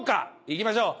いきましょう。